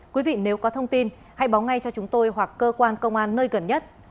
quý vị nếu có thông tin hãy báo ngay cho chúng tôi hoặc cơ quan công an nơi gần nhất